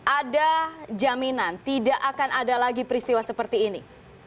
ada jaminan tidak akan ada lagi peristiwa seperti ini